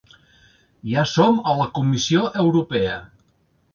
Ja som a la comissió europea!